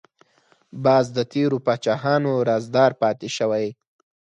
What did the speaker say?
باز د تیرو پاچاهانو رازدار پاتې شوی